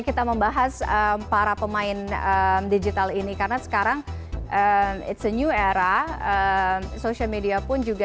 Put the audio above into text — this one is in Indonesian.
kita membahas para pemain digital ini karena sekarang ⁇ its ⁇ a new era social media pun juga